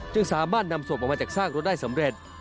สามารถนำศพออกมาจากซากรถได้สำเร็จ